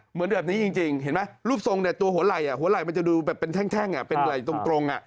เหมือนแบบนี้จริงเห็นไหมรูปทรงตัวหัวไหล่มันจะดูแบบแท่งเป็นไหล่ตรง